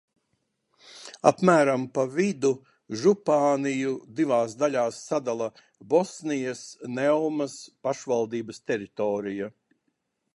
Apmēram pa vidu župāniju divās daļās sadala Bosnijas Neumas pašvaldības teritorija.